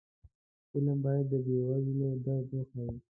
فلم باید د بې وزلو درد وښيي